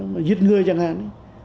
mà giết người chẳng hạn